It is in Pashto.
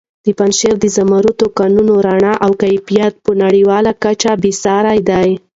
د پنجشېر د زمردو کانونو رڼا او کیفیت په نړیواله کچه بې ساري دی.